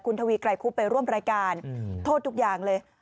ทวีไกรคุบไปร่วมรายการโทษทุกอย่างเลย